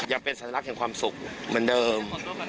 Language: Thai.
ยังเป็นสัญลักษณ์แห่งความสุขเหมือนเดิม